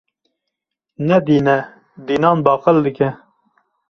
Ne dîn e, dînan baqil dike.